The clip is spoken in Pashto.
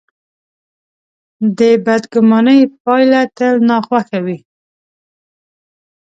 د بدګمانۍ پایله تل ناخوښه وي.